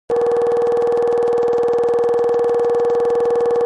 Куэд щӀакъым къэкӀуэжауэ пщӀантӀэм дэт хуэдэу пщӀыхьэпӀэу зэрилъагъурэ.